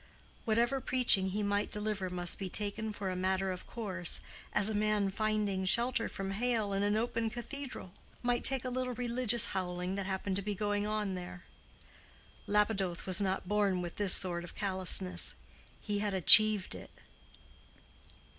Whatever preaching he might deliver must be taken for a matter of course, as a man finding shelter from hail in an open cathedral might take a little religious howling that happened to be going on there. Lapidoth was not born with this sort of callousness: he had achieved it.